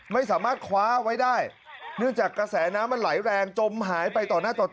ไม่สามารถคว้าไว้ได้